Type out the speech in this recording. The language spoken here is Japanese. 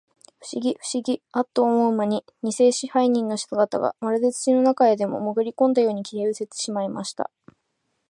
ふしぎ、ふしぎ、アッと思うまに、にせ支配人の姿が、まるで土の中へでも、もぐりこんだように、消えうせてしまいました。